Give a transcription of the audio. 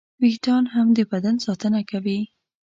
وېښتيان هم د بدن ساتنه کوي.